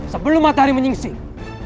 sebelum matahari menyingsing